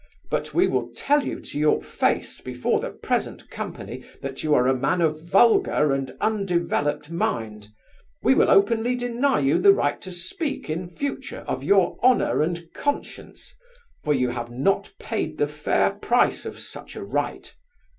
But we will tell you to your face before the present company that you are a man of vulgar and undeveloped mind; we will openly deny you the right to speak in future of your honour and conscience, for you have not paid the fair price of such a right.